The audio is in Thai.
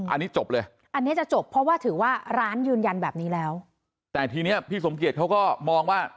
อันนี้จบเลยอันนี้จะจบเพราะว่าถือว่าร้านยืนยันแบบนี้แล้วแต่ทีเนี้ยพี่สมเกียจเขาก็มองว่า